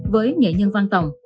với nghệ nhân văn tòng